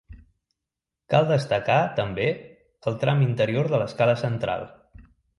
Cal destacar, també, el tram interior de l'escala central.